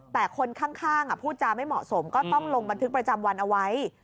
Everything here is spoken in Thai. แต่คนข้างพูดจาไม่เหมาะสมก็ต้องลงบันทึกประจำวันเอาไว้